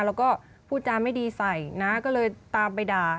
แล้วก็พูดจาไม่ดีใส่น้าก็เลยตามไปด่า